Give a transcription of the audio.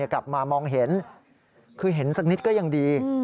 กลับมามองเห็นคือเห็นสักนิดก็ยังดี